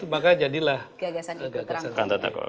maka jadilah gagasan itu